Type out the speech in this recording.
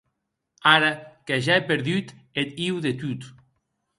Ara que ja è perdut eth hiu de tot.